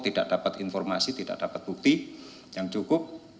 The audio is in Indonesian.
tidak dapat informasi tidak dapat bukti yang cukup